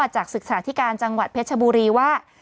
จากศึกษาธิการจังหวัดเพชรบุรีว่า